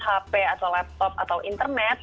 hp atau laptop atau internet